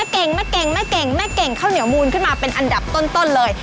ข้าวเหนียวมูลขึ้นมาเป็นอันดับต้นเลย